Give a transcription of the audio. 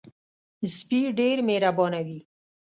سپي ډېر مهربانه وي.